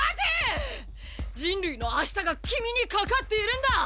人類の明日が君に懸かっているんだ！！